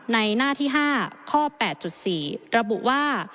ในหน้าที่๕ข้อ๘๔ระบุว่า